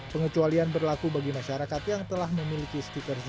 pengecualian berlaku bagi masyarakat yang telah memiliki stiker zona atau stiker khusus